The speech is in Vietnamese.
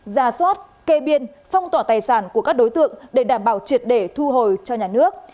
ra soát kê biên phong tỏa tài sản của các đối tượng để đảm bảo triệt để thu hồi cho nhà nước